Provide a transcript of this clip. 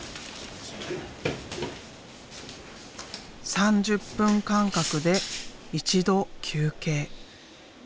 ３０分間隔で一度休憩。